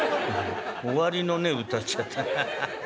終わりのねえ歌っちゃった。ハハハ」。